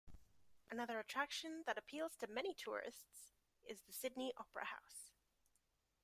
Another attraction that appeals to many tourists is the Sydney Opera House.